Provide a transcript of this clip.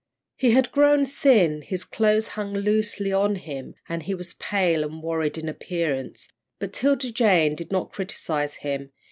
He had grown thin; his clothes hung loosely on him, and he was pale and worried in appearance, but 'Tilda Jane did not criticise him.